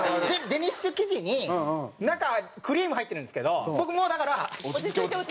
デニッシュ生地に中クリーム入ってるんですけど僕もうだから。